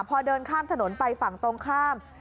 พอเดินข้ามถนนไปฝั่งตรงข้าม